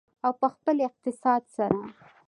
او په خپل اقتصاد سره.